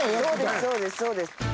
そうですそうです。